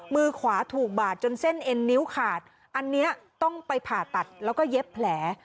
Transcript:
มือขวาถูกบาดจนเส้นเอ็นนิ้วขาดอันนี้ต้องไปผ่าตัดแล้วก็เย็บแผล